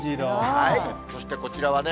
そしてこちらはね。